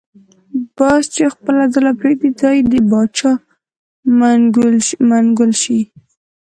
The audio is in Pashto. باز چی خپله ځاله پریږدی ځای یی دباچا منګول شی .